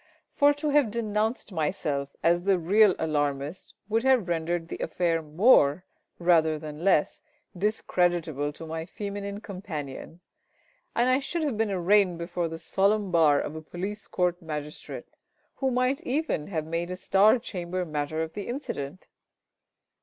For to have denounced myself as the real alarmist would have rendered the affair more, rather than less, discreditable to my feminine companion, and I should have been arraigned before the solemn bar of a police court magistrate, who might even have made a Star Chamber matter of the incident.